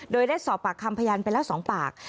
โดยได้สอบปากคำพยานไปแล้ว๒ปาก